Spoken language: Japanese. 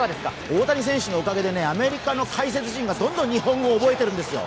大谷選手のおかげでアメリカの解説陣がどんどん日本語を覚えてるんですよ。